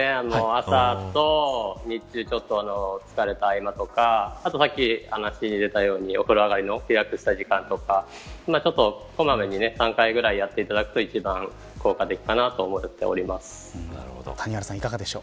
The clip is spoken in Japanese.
朝と日中ちょっと疲れた合間とかさっき、お話に出たようにお風呂上がりのリラックスした時間とか小まめに３回ぐらいやっていただくと一番効果的かなと思っております。